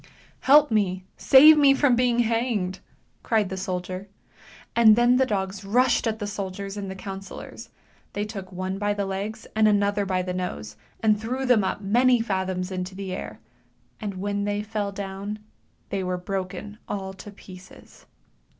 " Help me! Save me from being hanged! " cried the soldier. And then the dogs rushed at the soldiers and the councillors ; they took one by the legs, and another by the nose, and threw them up many fathoms into the air; and when they fell down, they were broken all to pieces.